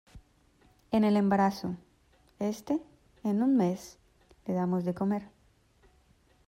en el embarazo. este, en un mes , le damos de comer .